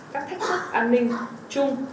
các thách thức an ninh chung